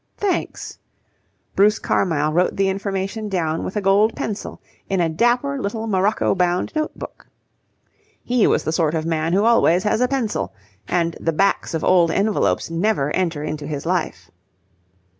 "Thanks." Bruce Carmyle wrote the information down with a gold pencil in a dapper little morocco bound note book. He was the sort of man who always has a pencil, and the backs of old envelopes never enter into his life.